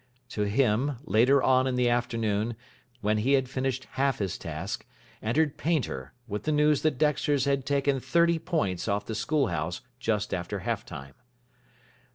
To him, later on in the afternoon, when he had finished half his task, entered Painter, with the news that Dexter's had taken thirty points off the School House just after half time.